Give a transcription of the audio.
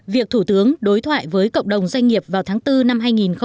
việc thủ tướng đối thoại với cộng đồng doanh nghiệp vào tháng bốn năm hai nghìn một mươi sáu